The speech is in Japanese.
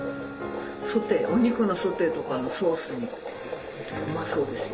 ソテーお肉のソテーとかのソースにうまそうですよ